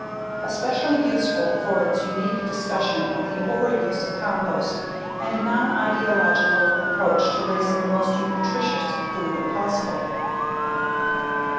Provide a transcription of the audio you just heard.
Especially useful for its unique discussion of the overuse of compost and a nonideological approach to raising the most nutritious food possible.